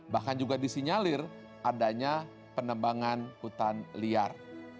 bahkan juga disinyalir adanya penebangan hutan liar